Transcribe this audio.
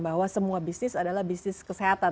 bahwa semua bisnis adalah bisnis kesehatan